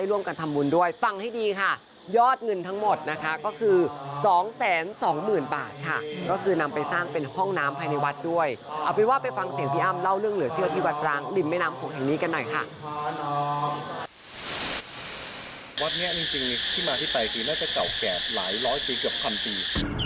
จริงที่มาที่ไปคือน่าจะเก่าแก่หลายร้อยปีเกือบพันปี